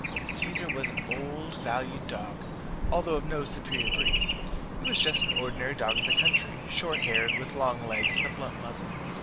Caesar was an old valued dog, although of no superior breed: he was just an ordinary dog of the country, short haired, with long legs and a blunt muzzle.